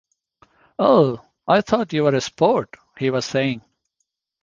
"Oh, I thought you were a sport," he was saying.